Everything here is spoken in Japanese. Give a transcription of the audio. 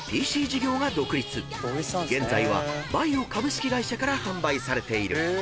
［現在はＶＡＩＯ株式会社から販売されている］